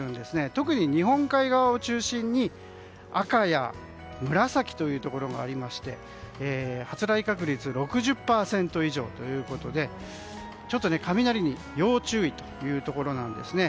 特に日本海側を中心に赤や紫というところがありまして発雷確率６０％以上ということで雷に要注意というところなんですね。